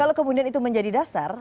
kalau kemudian itu menjadi dasar